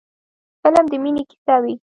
فلم د مینې کیسه وي